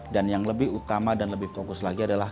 dan yang lebih utama dan lebih fokus lagi adalah